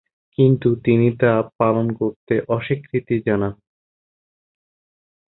কিন্তু তিনি তা পালন করতে অস্বীকৃতি জানান।